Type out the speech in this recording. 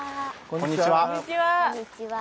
こんにちは。